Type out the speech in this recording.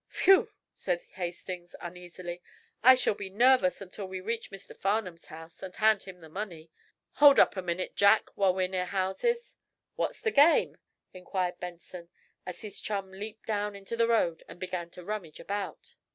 "Whew!" said Hastings, uneasily. "I shall be nervous until we reach Mr. Farnum's house and hand him the money. Hold up a minute, Jack, while we're near houses." "What's the game?" inquired Benson, as his chum leaped down into the road and began to rummage about.